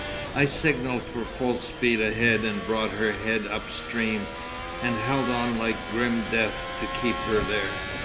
I signalled for full speed ahead and brought her head upstream, and held on like grim death to keep her there.